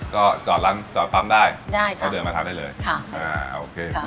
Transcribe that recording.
ก็จอดร้านจอดปั๊ปได้ขนเดินมาทำได้เลยครับ